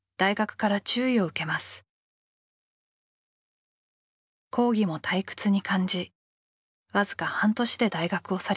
講義も退屈に感じ僅か半年で大学を去りました。